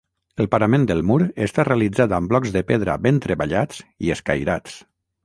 El parament del mur està realitzat amb blocs de pedra ben treballats i escairats.